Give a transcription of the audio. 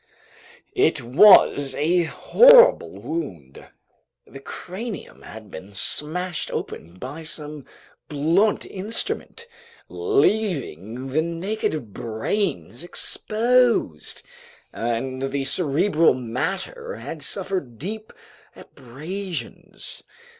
It was a horrible wound. The cranium had been smashed open by some blunt instrument, leaving the naked brains exposed, and the cerebral matter had suffered deep abrasions.